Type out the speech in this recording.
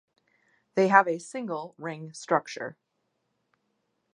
They have a single ring structure.